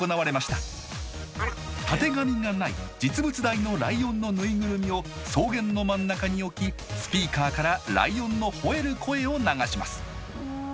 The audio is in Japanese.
たてがみがない実物大のライオンのぬいぐるみを草原の真ん中に置きスピーカーからライオンの吠える声を流します「」。